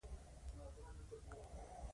دوی غواړي د نورو د برياوو قاعدې او قوانين وپلټي.